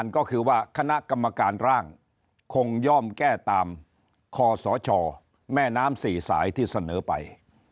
ก็คือว่าคณะกรรมการร่างคงย่อมแก้ตามคอสชแม่น้ำ๔สายที่เสนอไป